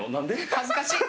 恥ずかしっ！